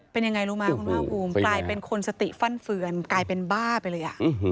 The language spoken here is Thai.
เป็นยังไงรู้ไหมคุณภาคภูมิกลายเป็นคนสติฟั่นเฟือนกลายเป็นบ้าไปเลย